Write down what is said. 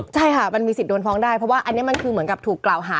ใช่ค่ะมันมีสิทธิ์โดนฟ้องได้เพราะว่าอันนี้มันคือเหมือนกับถูกกล่าวหา